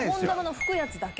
吹くやつだけ？